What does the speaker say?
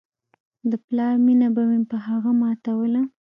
د پلار مينه به مې په هغه ماتوله.